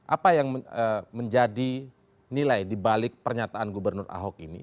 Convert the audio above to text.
apa yang menjadi nilai dibalik pernyataan gubernur ahok ini